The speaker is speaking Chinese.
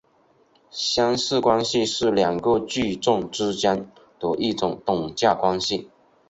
相似关系是两个矩阵之间的一种等价关系。